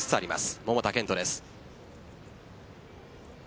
桃田賢斗です。